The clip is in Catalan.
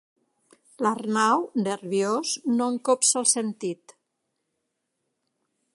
L'Arnau, nerviós, no en copsa el sentit.